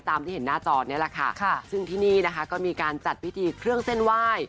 ตามที่เห็นหน้าจอนี่แหละค่ะซึ่งที่นี่นะคะก็มีการจัดพิธีเครื่องเส้นไหว้